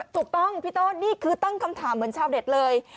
ถูกต้องพี่ต้นนี่คือตั้งคำถามเหมือนชาวเน็ตเลย